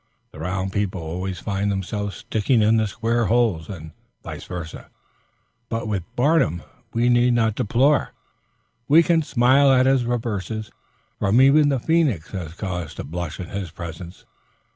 The round people always find themselves sticking in the square holes, and vice versa; but with Barnum we need not deplore a vie manquée. We can smile at his reverses, for even the phoenix has cause to blush in his presence.